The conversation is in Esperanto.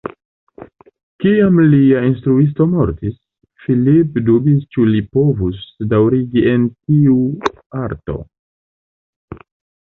Kiam lia instruisto mortis, Phillip dubis ĉu li povus daŭrigi en tiu arto.